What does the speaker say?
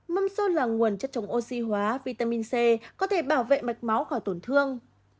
mâm sôi là nguồn chất trống oxy hóa vitamin c có thể bảo vệ mạch máu khỏi tổn thương